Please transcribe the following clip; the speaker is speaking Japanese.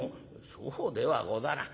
「そうではござらん。